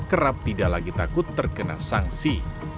kerap tidak lagi takut terkena sanksi